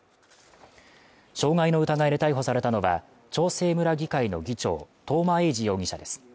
傷害の疑いで逮捕されたのは、長生村議会の議長、東間永次です。